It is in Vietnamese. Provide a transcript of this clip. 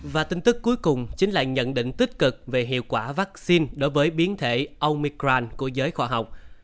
và tin tức cuối cùng chính là nhận định tích cực về hiệu quả vắc xin đối với biến thể omicron của giới khoa học